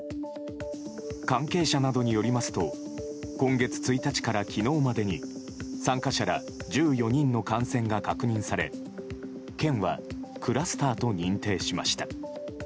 関係者などによりますと今月１日から昨日までに参加者ら１４人の感染が確認され県は、クラスターと認定しました。